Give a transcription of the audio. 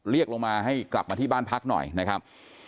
ลงมาให้กลับมาที่บ้านพักหน่อยนะครับ